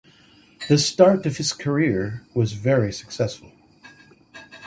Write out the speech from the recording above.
The start of his career was very successful.